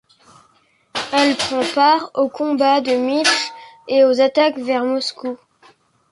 Elle prend part aux combats de Minsk et aux attaques vers Moscou.